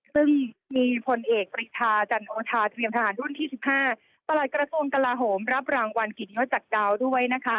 ซึ่งมีบริษัทจันโอชาเตรียมทหารที่๑๕ปรากฏกระทรวงตลาหกรับรางวัลกิจยกจากดาวน์ด้วย